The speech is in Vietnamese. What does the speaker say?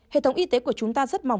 hệ thống y tế của chúng ta rất mỏng